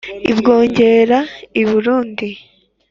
i bwongera: i burundi